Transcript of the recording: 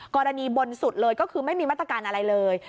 กรณีบนสุดเลยก็คือไม่มีมาตรการอะไรเลย